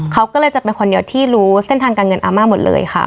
เขาก็เลยจะเป็นคนเดียวที่รู้เส้นทางการเงินอาม่าหมดเลยค่ะ